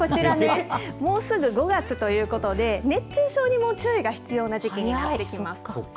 もうすぐ５月ということで熱中症にも注意が必要な時期になってきます。